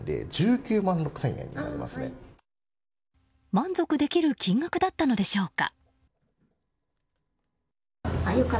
満足できる金額だったのでしょうか？